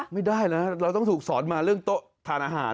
ไม่ได้นะเราต้องถูกสอนมาเรื่องโต๊ะทานอาหาร